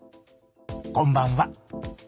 こんばんは。